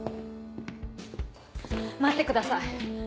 待ってください。